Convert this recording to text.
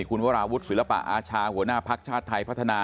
คุณวราวุฒิศิลปะอาชาหัวหน้าภักดิ์ชาติไทยพัฒนา